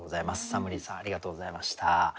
さむりぃさんありがとうございました。